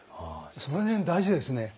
その辺大事ですね